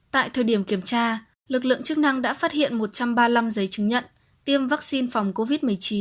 tại thời điểm kiểm tra lực lượng chức năng đã phát hiện một trăm ba mươi năm giấy chứng nhận tiêm vaccine phòng covid một mươi chín